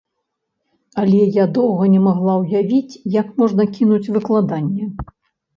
Але я доўга не магла ўявіць, як можна кінуць выкладанне.